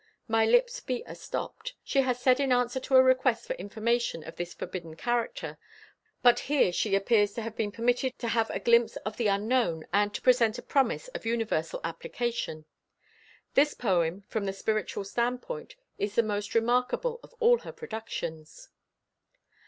"My lips be astopped," she has said in answer to a request for information of this forbidden character, but here she appears to have been permitted to give a glimpse of the unknown, and to present a promise of universal application. This poem, from the spiritual standpoint, is the most remarkable of all her productions.